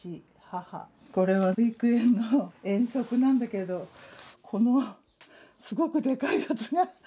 これは保育園の遠足なんだけどこのすごくでかいやつが私です。